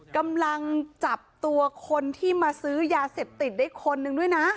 กำลังจับตัวคนที่มาซื้อยาเสพติดได้คนนึงด้วยนะ